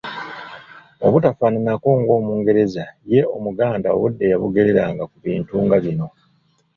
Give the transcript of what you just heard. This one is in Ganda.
Obutafaananako ng’Omungereza ye Omuganda obudde yabugereranga ku bintu nga bino